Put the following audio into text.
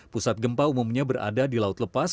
pusat gempa umumnya berada di laut lepas